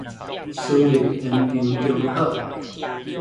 私立延平中學